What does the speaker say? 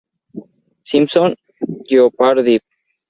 Simpsons Jeopardy!